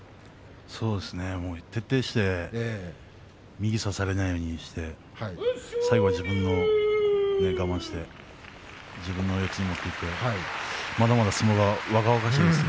そうですね。徹底して右を差されないようにして最後、我慢して自分の四つに持っていってまだまだ相撲が若々しいですね。